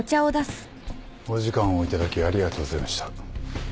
お時間をいただきありがとうございました。